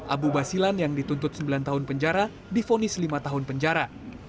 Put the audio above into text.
abu basilan yang dituntut sembilan tahun penjara difonis lima tahun penjara